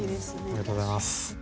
ありがとうございます。